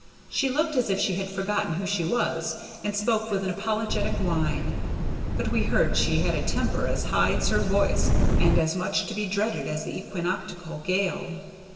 She looked as if she had forgotten who she was, and spoke with an apologetic whine; but we heard she had a temper as high as her voice, and as much to be dreaded as the equinoctial gale.